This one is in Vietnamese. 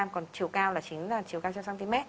còn chiều cao là chính là chiều cao trên cm